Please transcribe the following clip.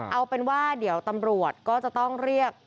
เอาเป็นว่าเดี๋ยวตำรวจก็จะต้องเรียก